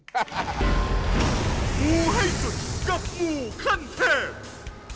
หมูให้สุดกับหมูคันแทบ